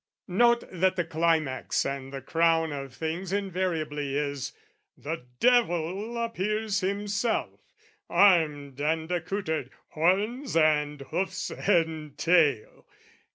Note, that the climax and the crown of things Invariably is, the devil appears himself, Armed and accoutred, horns and hoofs and tail!